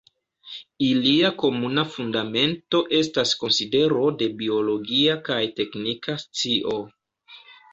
Ilia komuna fundamento estas konsidero de biologia kaj teknika scio.